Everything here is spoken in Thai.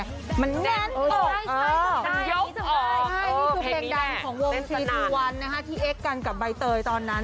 ใช่ใช่นี่คือเพลงดันของวง๓๒๑นะฮะที่เอ็กซ์กันกับใบเตยตอนนั้น